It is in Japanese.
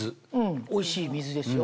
おいしい水ですよ。